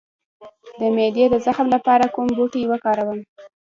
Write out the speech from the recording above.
د معدې د زخم لپاره کوم بوټی وکاروم؟